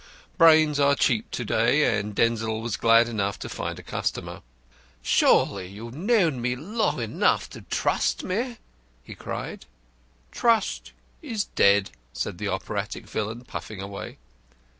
Brains are cheap to day, and Denzil was glad enough to find a customer. "Surely you've known me long enough to trust me," he cried. "Trust is dead," said the operatic villain, puffing away.